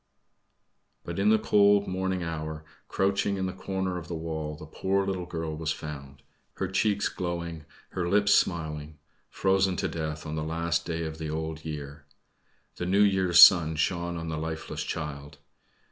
But in the cold morning hour, crouching in the corner of the wall, the poor little girl was found her cheeks glowing, her lips smiling frozen to death on the last night of the Old Year. The New Year's sun shone on the lifeless child.